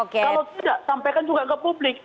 kalau tidak sampaikan juga ke publik